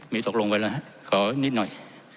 มีตกลงมาแล้วขอนิดหน่อย